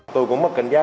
tôi cũng mất cảnh giác